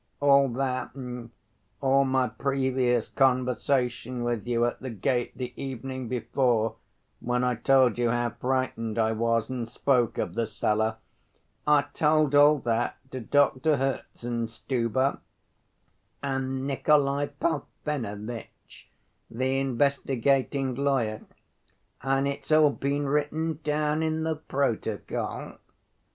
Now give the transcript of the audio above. All that and all my previous conversation with you at the gate the evening before, when I told you how frightened I was and spoke of the cellar, I told all that to Doctor Herzenstube and Nikolay Parfenovitch, the investigating lawyer, and it's all been written down in the protocol.